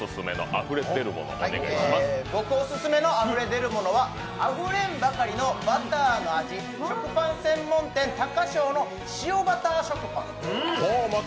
僕オススメのあふれ出るものはあふれんばかりのバターの味、食パン専門店、高匠の塩バター食パン。